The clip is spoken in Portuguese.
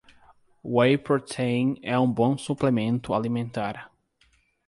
Whey protein é um bom suplemento alimentar